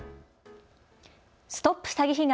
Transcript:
ＳＴＯＰ詐欺被害！